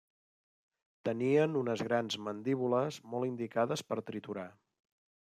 Tenien unes grans mandíbules molt indicades per triturar.